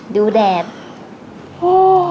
เมื่อคืนป่าว